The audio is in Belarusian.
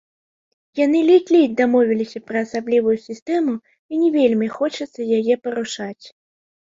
Яны ледзь-ледзь дамовіліся пра асаблівую сістэму, і не вельмі хочацца яе парушаць.